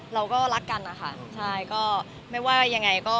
เราก็รักกันนะคะใช่ก็ไม่ว่ายังไงก็